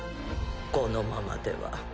このままでは。